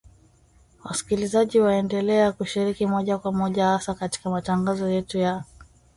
Wasikilizaji waendelea kushiriki moja kwa moja hasa katika matangazo yetu ya